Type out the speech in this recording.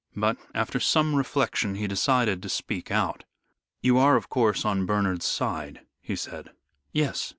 But, after some reflection, he decided to speak out. "You are, of course, on Bernard's side," he said. "Yes.